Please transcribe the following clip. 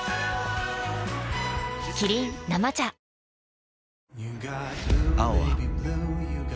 キリン「生茶」あれ？